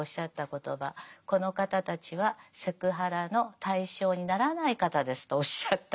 「この方たちはセクハラの対象にならない方です」とおっしゃった。